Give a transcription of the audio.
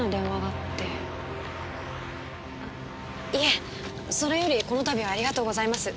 あっいえそれよりこの度はありがとうございます。